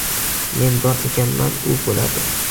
Men bor ekanman — u bo‘ladi.